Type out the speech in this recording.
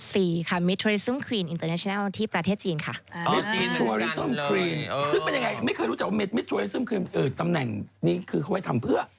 ซึ่งเป็นอย่างไรไม่เคยรู้จักว่าตำแหน่งนี้ก็ควรทำเพื่อ